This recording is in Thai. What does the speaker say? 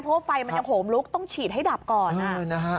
เพราะว่าไฟมันยังโหมลุกต้องฉีดให้ดับก่อน